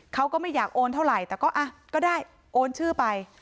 เขาก็ไม่อยากโอนเท่าไหร่แต่ก็ได้โอนชื่อไป